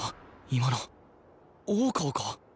今の大川か？